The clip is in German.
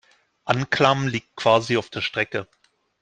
Anklam liegt quasi auf der Strecke.